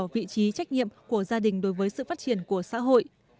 vị trí trách nhiệm của gia đình đối với sự phát triển của xã hội